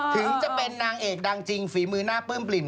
ถึงจะเป็นนางเอกดังจริงฝีมือหน้าปลื้มปลิ่น